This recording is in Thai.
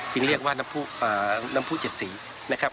จึงเรียกว่าน้ำผู้เจ็ดสีนะครับ